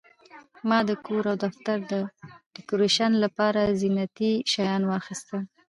ما د کور او دفتر د ډیکوریشن لپاره زینتي شیان واخیستل.